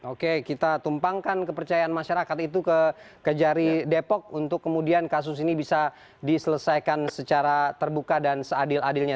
oke kita tumpangkan kepercayaan masyarakat itu ke kejari depok untuk kemudian kasus ini bisa diselesaikan secara terbuka dan seadil adilnya